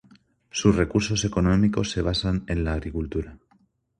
Sus recursos económicos se basan en la agricultura.